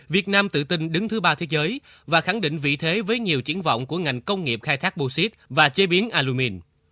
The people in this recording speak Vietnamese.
việt nam tự tin đứng thứ ba thế giới và khẳng định vị thế với nhiều triển vọng của ngành công nghiệp khai thác bô xít và chế biến alumin